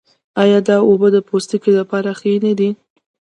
آیا دا اوبه د پوستکي لپاره ښې نه دي؟